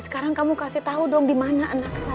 sekarang kamu kasih tahu dong di mana anak saya